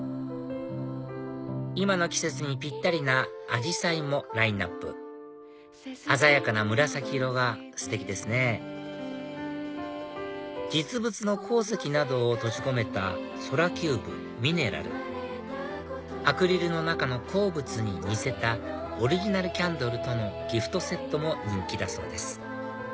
今の季節にぴったりなアジサイもラインアップ鮮やかな紫色がステキですね実物の鉱石などを閉じ込めたＳｏｌａｃｕｂｅＭｉｎｅｒａｌアクリルの中の鉱物に似せたオリジナルキャンドルとのギフトセットも人気だそうです